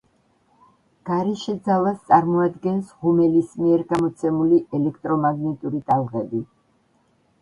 გარეშე ძალას წარმოადგენს ღუმელის მიერ გამოცემული ელექტრომაგნიტური ტალღები.